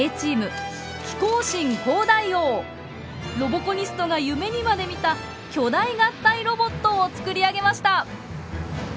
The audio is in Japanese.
ロボコニストが夢にまで見た巨大合体ロボットを作り上げました。